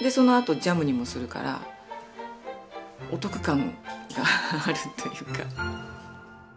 でそのあとジャムにもするからお得感があるというか。